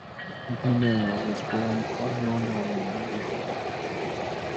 McNamara was born on Long Island, New York.